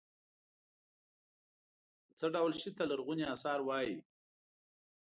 څه ډول شي ته لرغوني اثار وايي.